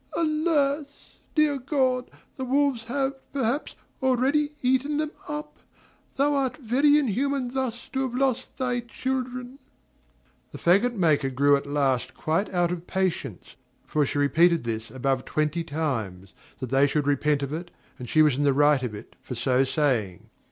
Alas! dear God, the wolves have, perhaps, already eaten them up: thou art very inhuman thus to have lost thy children." The faggot maker grew at last quite out of patience, for she repeated this above twenty times, that they should repent of it, and she was in the right of it for so saying.